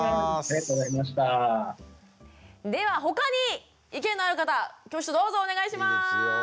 では他に意見のある方挙手どうぞお願いします。